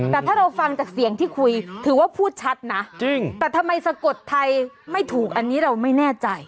แต่ถ้าเราฟังจากเสียงที่คุยถือว่าพูดชัดนะจริงแต่ทำไมสะกดไทยไม่ถูกอันนี้เราไม่แน่ใจ